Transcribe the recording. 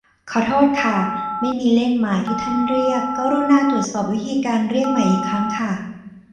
ขอโทษค่ะ ไม่มีเลขหมายที่ท่านเรียก กรุณาตรวจสอบวิธีการเรียกใหม่อีกครั้งค่ะ